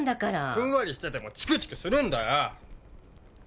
ふんわりしててもチクチクするんだよ！